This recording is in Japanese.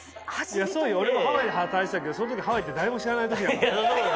そうよ俺もハワイで働いてたけどその時ハワイって誰も知らない時だから。